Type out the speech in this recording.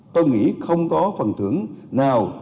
tôi nghĩ không có phần thưởng nào